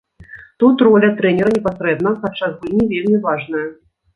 Тут роля трэнера непасрэдна падчас гульні вельмі важная.